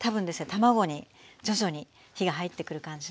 卵に徐々に火が入ってくる感じなので。